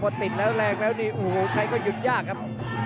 พอติดแล้วแรงแล้วนี่โอ้โหใครก็หยุดยากครับ